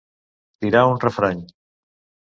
Tirar un refrany.